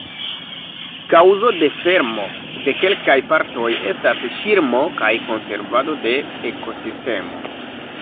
Kaŭzo de fermo de kelkaj partoj estas ŝirmo kaj konservado de ekosistemo.